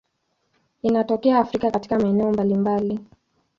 Inatokea Afrika katika maeneo mbalimbali.